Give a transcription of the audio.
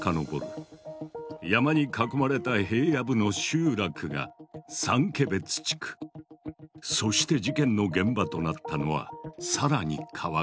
山に囲まれた平野部の集落がそして事件の現場となったのは更に川上。